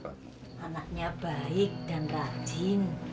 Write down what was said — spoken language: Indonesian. anaknya baik dan rajin